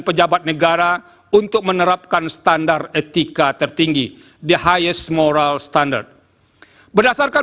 pejabat negara untuk menerapkan standar etika tertinggi di highs moral standard berdasarkan